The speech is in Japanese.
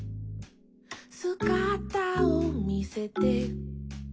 「すがたをみせて」